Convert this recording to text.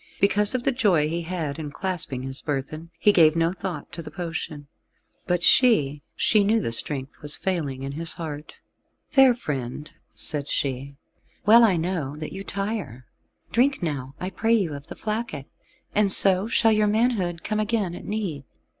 Because of the joy he had in clasping his burthen, he gave no thought to the potion. But she she knew the strength was failing in his heart. "Fair friend," said she, "well I know that you tire: drink now, I pray you, of the flacket, and so shall your manhood come again at need."